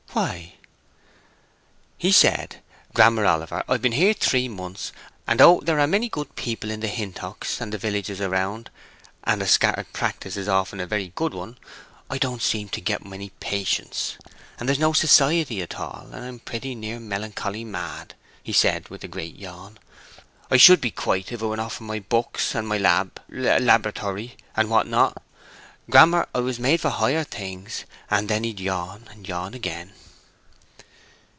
"Why?" "He said, 'Grammer Oliver, I've been here three months, and although there are a good many people in the Hintocks and the villages round, and a scattered practice is often a very good one, I don't seem to get many patients. And there's no society at all; and I'm pretty near melancholy mad,' he said, with a great yawn. 'I should be quite if it were not for my books, and my lab—laboratory, and what not. Grammer, I was made for higher things.' And then he'd yawn and yawn again."